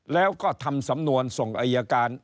แล้วก็ทำสำนวนส่งอายการ